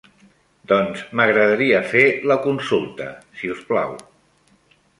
Doncs m'agradaria fer la consulta, si us plau.